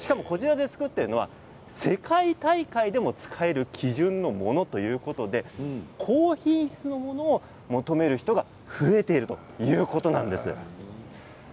こちらで作っているのは世界大会でも使える基準のものということで高品質のものを求める人が増えているということなんです。